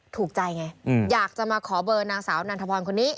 ถูกใจไงอยากจะมาขอเบอร์นางสาวนันทพรคนนี้